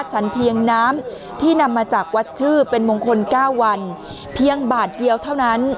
สันเพียงน้ำที่นำมาจากวัดชื่อเป็นมงคล๙วันเพียงบาทเดียวเท่านั้น